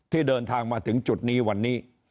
เดินทางมาถึงจุดนี้วันนี้